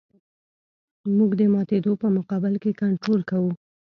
موږ د ماتېدو په مقابل کې کنټرول کوو